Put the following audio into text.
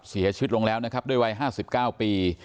เสียชีวิตลงแล้วนะครับด้วยวัยห้าสิบเก้าปี